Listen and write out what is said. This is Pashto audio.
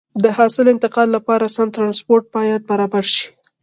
د حاصل انتقال لپاره سم ترانسپورت باید برابر شي.